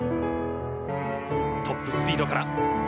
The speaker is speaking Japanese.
トップスピードから。